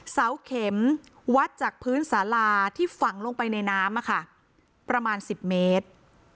เสาเข็มวัดจากพื้นสาราที่ฝังลงไปในน้ำประมาณ๑๐เมตร